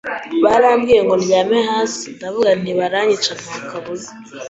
Barambwira ngo ndyame hasi, ndavuga nti baranyica nta kabuza